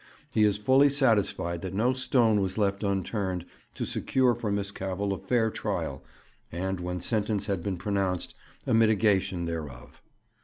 He is fully satisfied that no stone was left unturned to secure for Miss Cavell a fair trial, and, when sentence had been pronounced, a mitigation thereof.